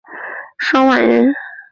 邓琬人。